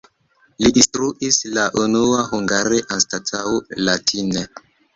Li instruis la unua hungare anstataŭ latine.